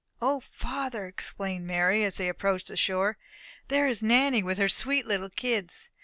"O, father," exclaimed Mary, as they approached the shore, "there is Nanny with her sweet little kids.